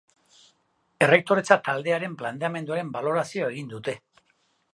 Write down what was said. Errektoretza Taldearen planteamenduaren balorazioa egin dute.